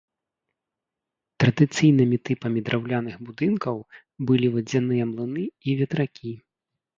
Традыцыйнымі тыпамі драўляных будынкаў былі вадзяныя млыны і ветракі.